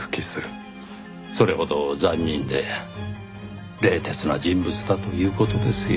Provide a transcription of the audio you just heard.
それほど残忍で冷徹な人物だという事ですよ。